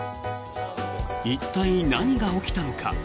一体、何が起きたのか。